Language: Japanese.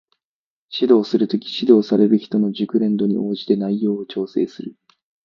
指導する時、指導される人の熟練度に応じて内容を調整する